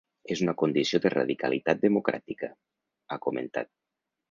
És una condició de radicalitat democràtica, ha comentat.